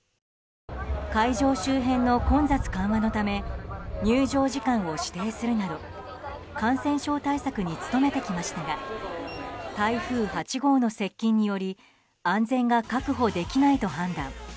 会場周辺の混雑緩和のため入場時間を指定するなど感染症対策に努めてきましたが台風８号の接近により安全が確保できないと判断。